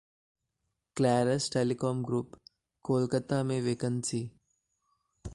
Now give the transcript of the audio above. Clarus Telecom Group, Kolkata में vacancy